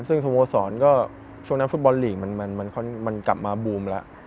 ซึ่งสโมสรก็ช่วงนั้นฟุตบอลลีกมันกลับมาบูมแล้ว